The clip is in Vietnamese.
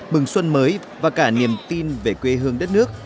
mừng xuân mới và cả niềm tin về quê hương đất nước